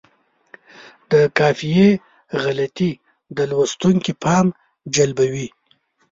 د قافیې غلطي د لوستونکي پام جلبوي.